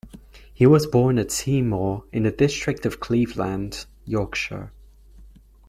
He was born at Seymour, in the district of Cleveland, Yorkshire.